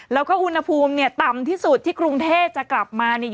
แล้วก็อุณหภูมิเนี่ยต่ำที่สุดที่กรุงเทพจะกลับมาเนี่ย